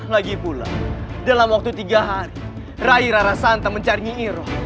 lagi pula dalam waktu tiga hari rai rarasanta mencari nyiiroh